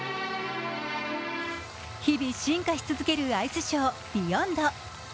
日々、進化し続けるアイスショー、「ＢＥＹＯＮＤ」。